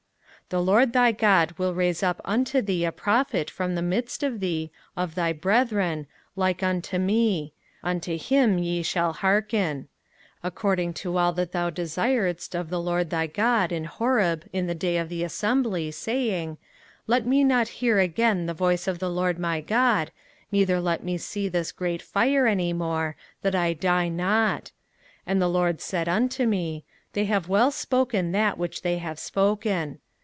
05:018:015 The LORD thy God will raise up unto thee a Prophet from the midst of thee, of thy brethren, like unto me; unto him ye shall hearken; 05:018:016 According to all that thou desiredst of the LORD thy God in Horeb in the day of the assembly, saying, Let me not hear again the voice of the LORD my God, neither let me see this great fire any more, that I die not. 05:018:017 And the LORD said unto me, They have well spoken that which they have spoken.